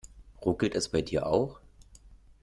Ruckelt es bei dir auch?